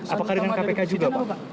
apakah dengan kpk juga pak